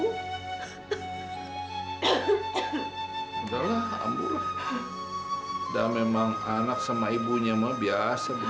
udah lah ambo udah memang anak sama ibunya mah biasa begitu